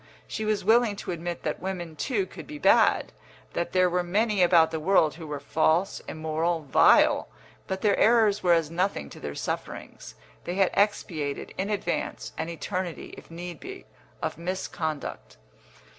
She was willing to admit that women, too, could be bad; that there were many about the world who were false, immoral, vile. But their errors were as nothing to their sufferings; they had expiated, in advance, an eternity, if need be, of misconduct.